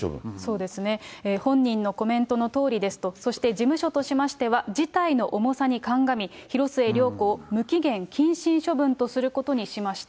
そうですね、本人のコメントのとおりですと、そして事務所としましては、事態の重さに鑑み、広末涼子を無期限謹慎処分とすることにしました。